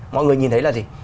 mọi người nhìn thấy là gì